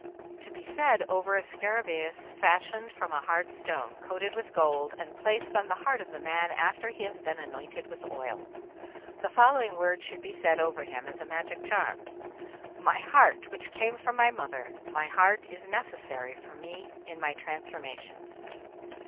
To be said over a scarabæus fashioned from a hard stone, coated with gold, and placed on the heart of the man after he has been anointed with oil. The following words should be said over him as a magic charm: "My heart which came from my mother, my heart is necessary for me in my transformations."